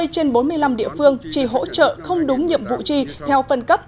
hai mươi trên bốn mươi năm địa phương chỉ hỗ trợ không đúng nhiệm vụ chi theo phân cấp